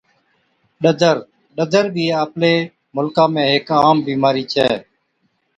ڏَدر Ring worms، ڏَدر بِي آپلي مُلڪا ۾ هيڪ عام بِيمارِي ڇَي